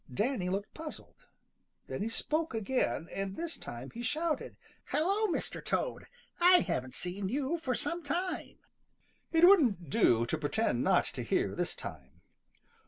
Danny looked puzzled. Then he spoke again, and this time he shouted: "Hello, Mr. Toad! I haven't seen you for some time." It wouldn't do to pretend not to hear this time.